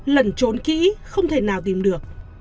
lẩn trốn kĩ không thể nào tìm được